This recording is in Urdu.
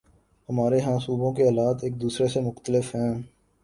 ہمارے ہاں صوبوں کے حالات ایک دوسرے سے مختلف ہیں۔